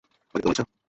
বাকীটা তোমার ইচ্ছা।